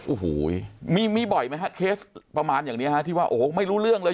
โอ้โหมีมีบ่อยไหมฮะเคสประมาณอย่างนี้ฮะที่ว่าโอ้โหไม่รู้เรื่องเลย